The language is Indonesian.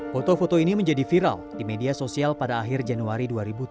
foto foto ini menjadi viral di media sosial pada akhir januari dua ribu tujuh belas